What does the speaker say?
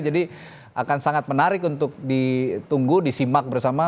jadi akan sangat menarik untuk ditunggu disimak bersama